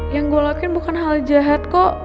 yang gua lakuin bukan hal jahat kok